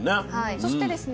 そしてですね